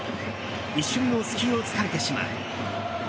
一瞬の隙を突かれてしまう。